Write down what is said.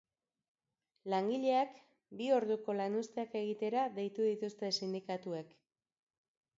Langileak bi orduko lanuzteak egitera deitu dituzte sindikatuek.